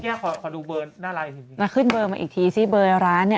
ขอดูเบอร์หน้าลายมาขึ้นเบอร์มาอีกทีซิเบอร์ร้านเนี่ย